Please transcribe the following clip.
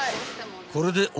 ［これで］